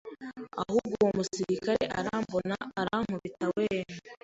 ahubwo uwo musirikare arambona arankubita weeeee